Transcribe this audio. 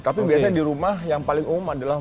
tapi biasanya di rumah yang paling umum adalah